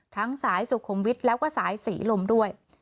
สายสุขุมวิทย์แล้วก็สายศรีลมด้วย